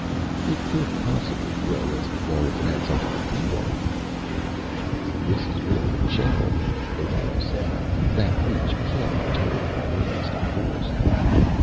"It could possibly grow as long as it had something to feed on." "This is really a challenge," O'Donnell said. "That leech can't be totally impervious to force."